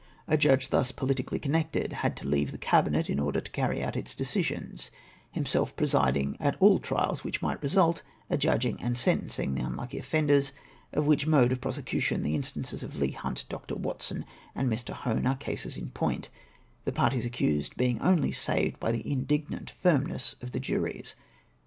A judge thus pohticaUy connected had to leave the Cabinet in order to carry out its decisions, himself pre siding at all trials which might result, adjudging and sentencing the unlucky offenders ; of which mode of prosecution the instances of Leigh Hunt, Dr. Watson, and Mr. Hone are cases in point, the parties accused Ijeing only saved by the indignant firmness of the juries.